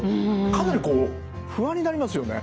かなりこう不安になりますよね。